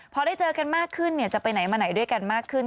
พอได้เจอกันมากขึ้นจะไปไหนมาไหนด้วยกันมากขึ้น